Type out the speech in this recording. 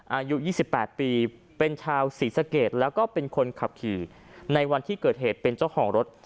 อายุ๒๘ปีเป็นชาวศรีสะเกดแล้วก็เป็นคนขับขี่ในวันที่เกิดเหตุเป็นเจ้าของรถ